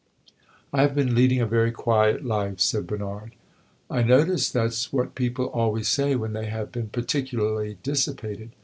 "I have been leading a very quiet life," said Bernard. "I notice that 's what people always say when they have been particularly dissipated.